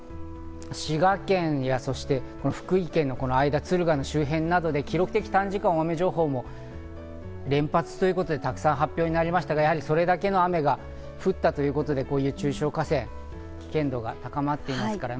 そして現在の危険度分布なんですが、朝方から滋賀県や、そして福井県の間、敦賀の周辺などで記録的短時間大雨情報も連発ということで、たくさん発表になりましたが、それだけの雨が降ったということで、中小河川の危険度が高まっています。